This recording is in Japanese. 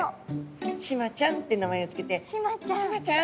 シマちゃんって名前を付けて「シマちゃん」。